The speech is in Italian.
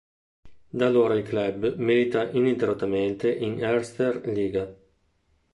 Da allora il club milita ininterrottamente in Erste Liga.